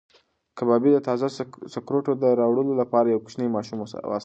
کبابي د تازه سکروټو د راوړلو لپاره یو کوچنی ماشوم واستاوه.